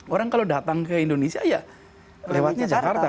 orang kalau datang ke indonesia ya lewatnya jakarta